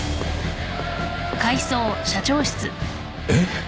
えっ？